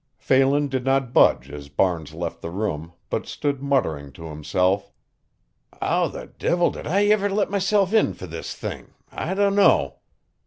Phelan did not budge as Barnes left the room, but stood muttering to himself: "How the divvil did I iver let mesilf in fer this thing I dunno!